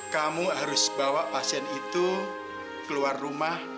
kamu harus bawa pasien itu keluar rumah